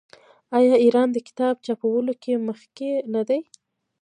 آیا ایران د کتاب چاپولو کې مخکې نه دی؟